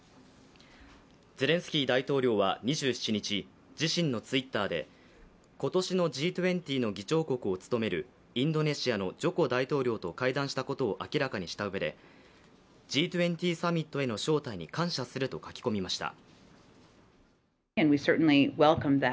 ゼレンスキー大統領は２７日、自身のＴｗｉｔｔｅｒで、今年のＧ２０の議長国を務めるインドネシアのジョコ大統領と会談したことを明らかにしたうえでＧ２０サミットへの招待に感謝すると書き込みました。